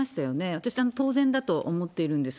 私当然だと思っているんです。